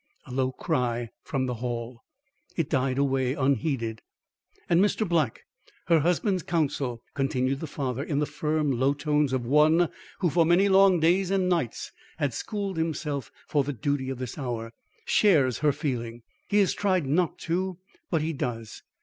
A low cry from the hall. It died away unheeded. "And Mr. Black, her husband's counsel," continued the father, in the firm, low tones of one who for many long days and nights had schooled himself for the duty of this hour, "shares her feeling. He has tried not to; but he does.